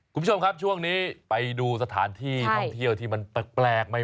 คุณผู้ชมครับช่วงนี้ไปดูสถานที่ท่องเที่ยวที่มันแปลกใหม่